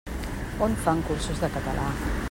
On fan cursos de català?